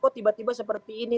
kok tiba tiba seperti ini